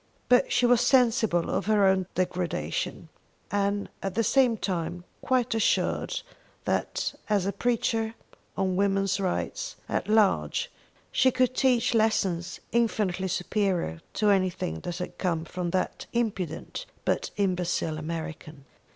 But she was sensible of her own degradation, and at the same time quite assured that as a preacher on women's rights at large she could teach lessons infinitely superior to anything that had come from that impudent but imbecile American.